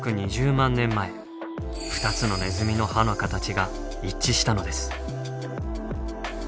年前２つのネズミの歯の形が一致したのです。